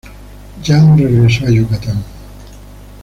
Ya no regresó a Yucatán.